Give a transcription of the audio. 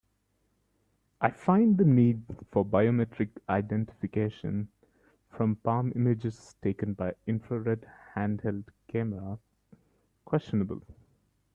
I find the need for biometric identification from palm images taken by infrared handheld camera questionable.